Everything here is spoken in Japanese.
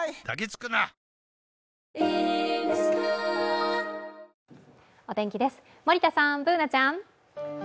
お天気です、森田さん、Ｂｏｏｎａちゃん。